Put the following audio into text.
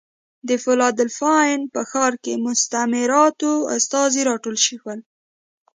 د فلادلفیا په ښار کې مستعمراتو استازي راټول شول.